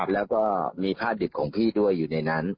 แล้วก็มีผ้าดิบของพี่ด้วยอยู่ในนั้น